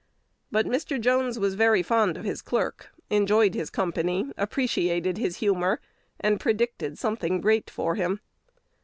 1 But Mr. Jones was very fond of his "clerk," enjoyed his company, appreciated his humor, and predicted something great for him.